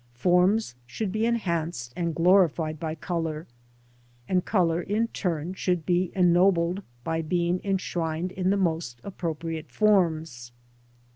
Forms should be enhanced and glorified by colour, and colour in turn should be ennobled by being enshrined in the most appropriate forms.